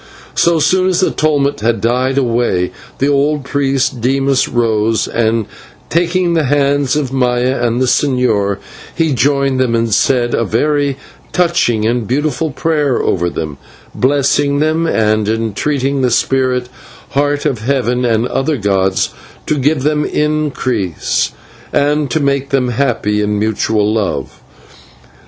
So soon as the tumult had died away, the old priest Dimas rose, and, taking the hands of Maya and the señor, he joined them and said a very touching and beautiful prayer over them, blessing them, and entreating the spirit, Heart of Heaven, and other gods, to give them increase and to make them happy in a mutual love.